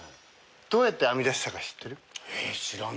どうやって編み出したか知ってる？